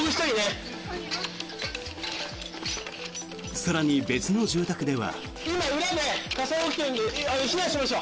更に別の住宅では。